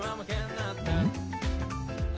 うん？